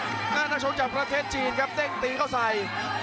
หน้านักโชคจับประเทศจีนครับเต้งตีเข้าใส่